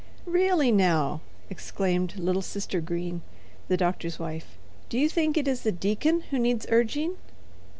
"Really, now," exclaimed little Sister Green, the doctor's wife, "do you think it is the deacon who needs urging?"